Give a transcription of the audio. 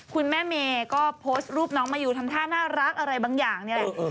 คุณแม่เมย์ก็โพสต์รูปน้องมายูทำท่าน่ารักอะไรบางอย่างนี่แหละ